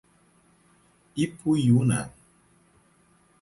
Ipuiuna